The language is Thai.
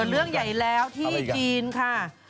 เรื่องใหญ่แล้วที่จีนค่ะ